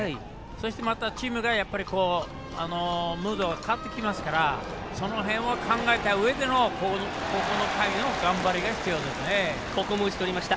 そして、チームがムードが変わってきますからその辺を考えたうえでのこの回の頑張りがここも打ち取りました。